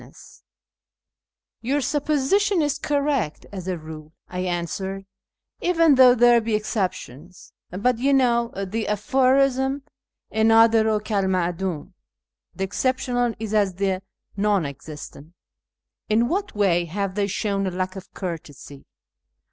kirmAn society 467 " Your supposition is correct, as a rule," I answered, " even though there be exceptions ; but you know the aphorism ' cn nddiru k 'al madum '(' the exceptional is as the non existent '), In what way have they shown a lack of courtesy